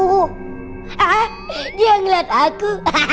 hah dia ngeliat aku